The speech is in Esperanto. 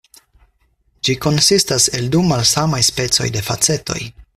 Ĝi konsistas el du malsamaj specoj de facetoj.